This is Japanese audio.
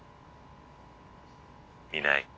いない。